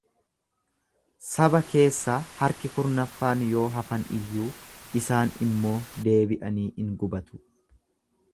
Saba keessaa harki kurnaffaan yoo hafan iyyuu isaan immoo deebi'anii in gubatu.